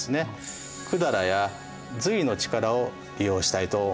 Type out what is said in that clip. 百済や隋の力を利用したいと思っていました。